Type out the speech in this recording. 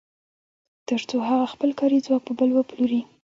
تر څو هغه خپل کاري ځواک په بل وپلوري